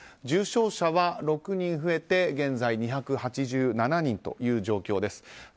重症者は６人増えて現在２８７人という状況です。